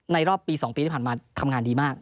รอบปี๒ปีที่ผ่านมาทำงานดีมาก